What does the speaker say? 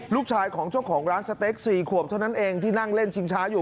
ลูกชายของเจ้าของร้านสเต็ก๔ขวบเท่านั้นเองที่นั่งเล่นชิงช้าอยู่